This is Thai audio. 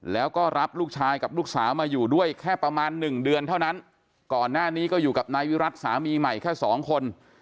แล้วก็รับลูกชายกับลูกสาวมาอยู่ด้วยแค่ประมาณหนึ่งเดือนเท่านั้นก่อนหน้านี้ก็อยู่กับนายวิรัติสามีใหม่แค่สองคน